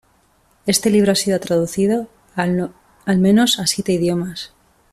Este libro ha sido traducido a lo menos a siete idiomas.